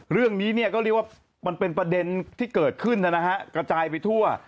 เรื่องนี้เนี่ยก็เรียกว่ามันเป็นประเด็นที่เกิดขึ้นนะฮะกระจายไปทั่ว